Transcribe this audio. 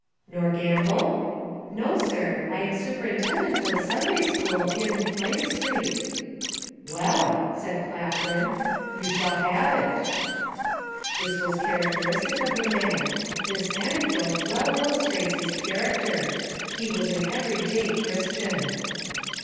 "Nor gamble?" "No sir; I am superintendent of a Sunday school, in street." "Well," said Claflin, "you shall have it." This was characteristic of the man. This anecdote well illustrates his character. He was an everyday Christian.